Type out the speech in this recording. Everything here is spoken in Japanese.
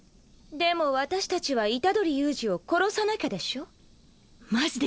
でも私たちは虎杖悠仁を殺さなきゃでしょ？